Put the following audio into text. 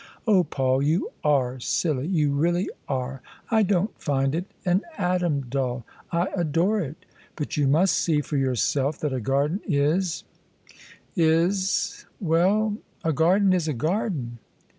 " Oh, Paul, you are silly — ^you really are! I don't find it an atom dull — I adore it. But you tnyst see for yourself that a garden is — is — ^well, a garden is a garden."